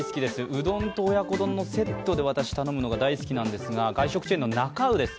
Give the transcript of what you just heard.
うどんと親子丼のセットで私、頼むのが大好きなんですが外食チェーンのなか卯です。